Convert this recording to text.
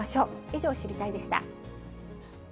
以上、知りたいッ！でした。